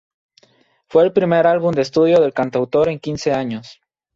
Fue el primer álbum de estudio del cantautor en quince años.